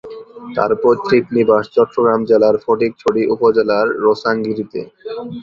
তার পৈতৃক নিবাস চট্টগ্রাম জেলার ফটিকছড়ি উপজেলার রোসাংগিরিতে।